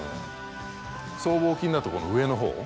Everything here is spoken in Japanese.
僧帽筋だとこの上の方。